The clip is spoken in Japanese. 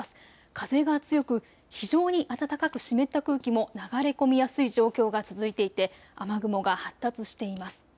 風が強く非常に暖かく湿った空気も流れ込みやすい状況が続いていて雨雲が発達しています。